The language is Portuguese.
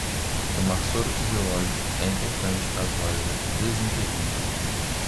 Tomar soro fisiológico é importante caso haja desinteria